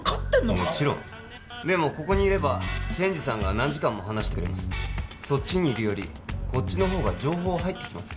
もちろんでもここにいれば検事さんが何時間も話してくれるそっちにいるよりこっちの方が情報入ってきますよ